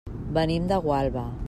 Venim de Gualba.